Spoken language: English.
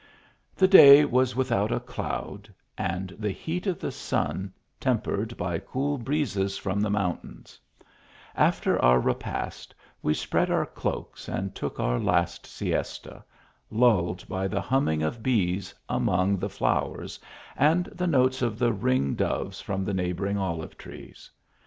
The day was without a cloud, and the heat of the sun tempered by cool breezes from the mountains ; af ter our repast, we spread our cloaks and took our last siesta, lulled by the humming of bees among the flowers, and the notes of the ring doves from the neighbouring olive trees.